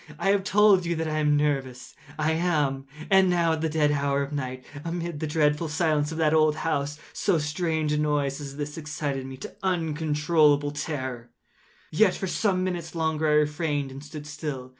I have told you that I am nervous: so I am. And now at the dead hour of the night, amid the dreadful silence of that old house, so strange a noise as this excited me to uncontrollable terror. Yet, for some minutes longer I refrained and stood still.